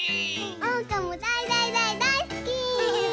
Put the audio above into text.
おうかもだいだいだいだいすき！